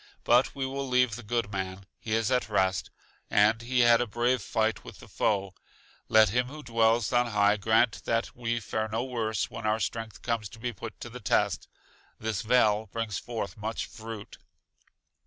But we will leave the good man, he is at rest, and he had a brave fight with the foe; let Him who dwells on high grant that we fare no worse when our strength comes to be put to the test. This vale brings forth much fruit.